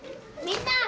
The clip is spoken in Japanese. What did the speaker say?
みんな！